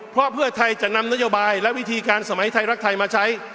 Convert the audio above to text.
เพราะเพื่อไทยจะนำนโยบายและวิธีการสมัยไทยรักไทยมาใช้